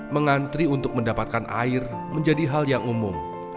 mengantri untuk mendapatkan air menjadi hal yang umum